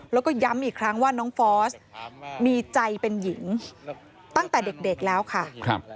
แล้วก็ย้ำอีกครั้งว่าน้องฟอสมีใจเป็นหญิงตั้งแต่เด็กแล้วค่ะ